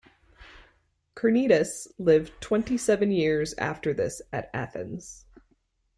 Carneades lived twenty-seven years after this at Athens.